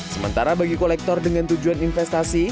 sementara bagi kolektor dengan tujuan investasi